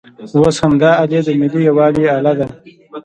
اوس همدا الې د ملي یووالي الې ده.